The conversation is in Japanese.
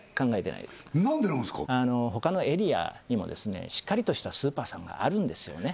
なんでなんですか他のエリアにもしっかりとしたスーパーさんがあるんですよね